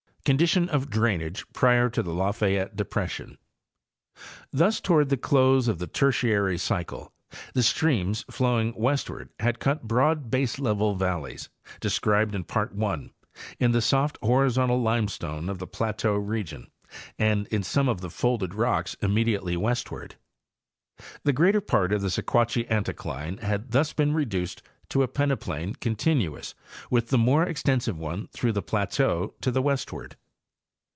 Condition of Drainage prior to the Lafayette Depression—Thus toward the close of the Tertiary cycle the streams flowing west 108 Hayes and Campbell—Appalachian Geomorphology. ward had cut broad baselevel valleys, described in Part I, in the soft horizontal limestone of the plateau region and in some of the folded rocks immediately eastward. The greater part of the Sequatchie anticline had thus been reduced to a peneplain continuous with the more extensive one through the plateau to the westward.